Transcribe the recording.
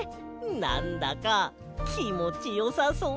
なんだかきもちよさそう！